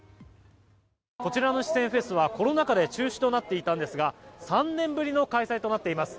こちらの四川フェスはコロナ禍で中止となっていたんですが３年ぶりの開催となっています。